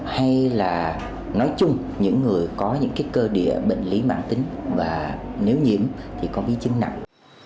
hay là nói chung những người có những cái cơ địa bệnh lý bản tính và nếu nhiễm thì có ví chứng nặng